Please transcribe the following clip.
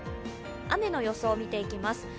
雨の予想を見ていきます。